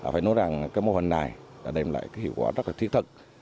phải nói rằng mô hình này đem lại hiệu quả rất thiết thật